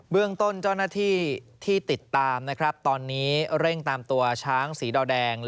เรื่องต้นเจ้าหน้าที่ที่ติดตามนะครับตอนนี้เร่งตามตัวช้างสีดอแดง